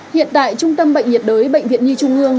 hiện tại trung tâm bệnh nhiệt đới bệnh viện nhi trung ương